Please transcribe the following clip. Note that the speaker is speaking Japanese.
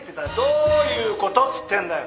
どういうこと？っつってんだよ